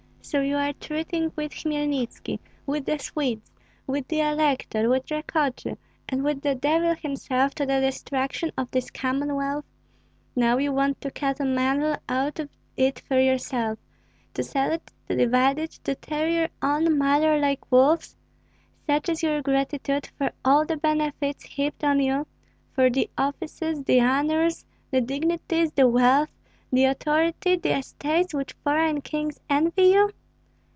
So you are treating with Hmelnitski, with the Swedes, with the elector, with Rakotsy, and with the devil himself to the destruction of this Commonwealth? Now you want to cut a mantle out of it for yourself, to sell it to divide it, to tear your own mother like wolves? Such is your gratitude for all the benefits heaped on you, for the offices, the honors, the dignities, the wealth, the authority, the estates which foreign kings envy you?